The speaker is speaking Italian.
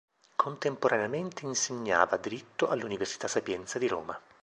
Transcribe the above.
Contemporaneamente insegnava Diritto all'Università Sapienza di Roma.